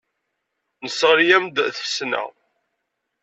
Nesseɣli-am deg tfesna.